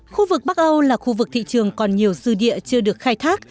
khu vực bắc âu là khu vực thị trường còn nhiều dư địa chưa được khai thác